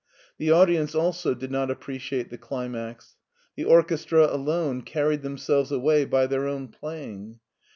The audience also did not appre ciate the climax. The orchestra alone carried them selves away by their own playing.